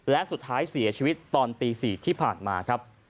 และสุดท้ายเสียชีวิตตอนตี๔ที่ผ่านมาครับ